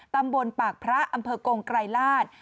ตำบลปากพระอำเภอกงไกรลาศ